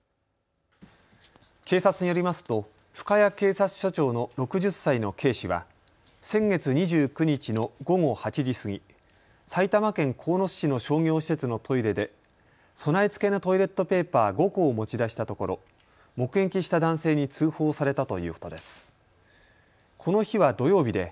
警察によりますと深谷警察署長の６０歳の警視は先月２９日の午後８時過ぎ、埼玉県鴻巣市の商業施設のトイレで備え付けのトイレットペーパー５個を持ち出したところ目撃した男性に通報されたということです。